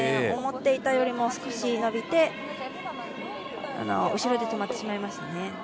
思っていたよりも少し伸びて後ろで止まってしまいましたね。